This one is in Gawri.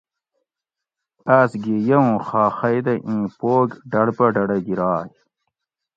آۤس گھی یہ اُوں خاخئ دہ ایں پوگ ڈڑ پہ ڈڑہ گرائ